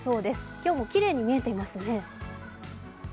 今日もきれいに見えていますね。